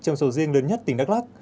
trong sầu riêng lớn nhất tỉnh đắk lắk